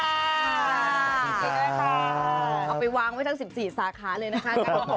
เอาไปวางไว้ทั้งสิบสี่สาขาเลยนะคะ